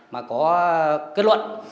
mà có kết luận